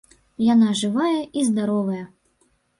Яна жывая і здаровая.